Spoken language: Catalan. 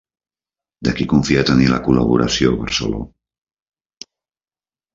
De qui confia tenir la col·laboració Barceló?